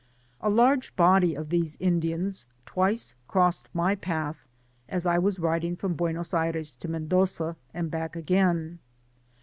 A large body of these Indians twice crossed my path, as I was riding from Buenos Aires to Mendoza and back again.